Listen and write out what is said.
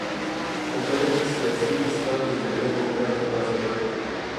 خو کله چې سیاسي اسلام د جګړې ماموریت ترلاسه کړ.